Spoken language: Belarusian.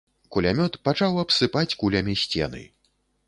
Кулямёт пачаў абсыпаць кулямі сцены.